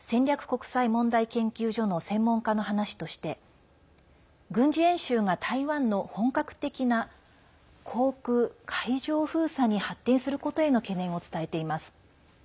国際問題研究所の専門家の話として軍事演習が台湾の本格的な航空・海上封鎖に発展することへの懸念を伝えています。